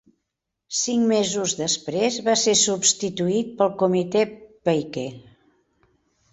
Cinc mesos després va ser substituir pel Comité Pike.